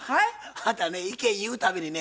あなた意見言う度にね